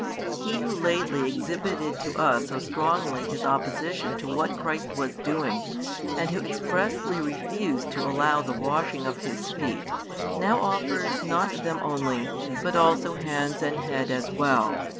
He who lately exhibited to us so strongly his opposition to what Christ was doing, and who expressly refused to allow the washing of his feet, now offers not them only, but also hands and head as well.